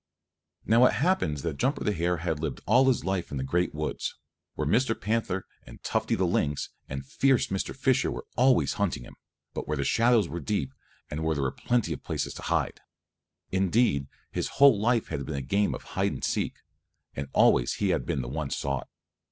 Now it happens that Jumper the Hare had lived all his life in the Great Woods, where Mr. Panther and Tufty the Lynx and fierce Mr. Fisher were always hunting him, but where the shadows were deep and where there were plenty of places to hide. Indeed, his whole life had been a game of hide and seek, and always he had been the one sought.